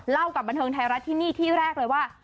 กับบันเทิงไทยรัฐที่นี่ที่แรกเลยว่า